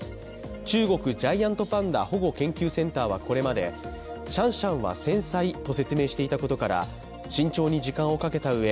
中国ジャイアントパンダ保護研究センターはこれまでシャンシャンは繊細と説明していたことから慎重に時間をかけたうえ、